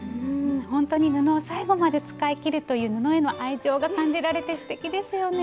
本当に布を最後まで使い切るという布への愛情が感じられてすてきですよね。